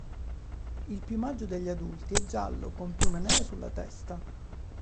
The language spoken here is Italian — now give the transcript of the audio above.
Il piumaggio degli adulti è giallo con piume nere sulla testa.